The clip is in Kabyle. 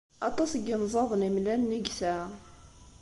Aṭas n yinẓaden imellalen i yesɛa.